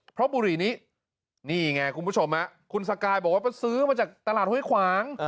เพราะบุหรี่นี้นี่ไงคุณผู้ชมคุณสกายบอกว่าไปซื้อมาจากตลาดห้วยขวาง